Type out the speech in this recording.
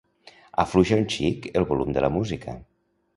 Afluixa un xic el volum a la música.